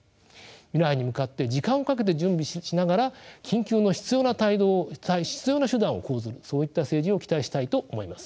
未来に向かって時間をかけて準備しながら緊急の必要な手段を講ずるそういった政治を期待したいと思います。